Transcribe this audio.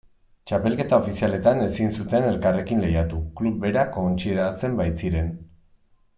Txapelketa ofizialetan ezin zuten elkarrekin lehiatu, klub bera kontsideratzen baitziren.